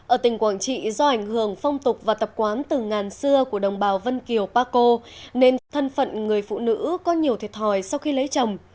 ở tình quảng trị do ảnh hưởng phong tục và tập quán từ ngàn xưa của đồng bào vân kiều paco nên thân phận người phụ nữ có nhiều thiệt hỏi sau khi lấy chồng